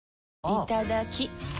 いただきっ！